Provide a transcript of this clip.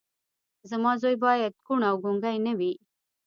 زما زوی بايد کوڼ او ګونګی نه وي.